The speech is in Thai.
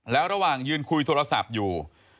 แล้วระหว่างยืนคุยโทรศัพท์อยู่